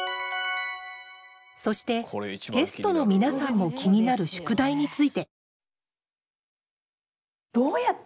そしてゲストの皆さんも気になる宿題についてどうやってね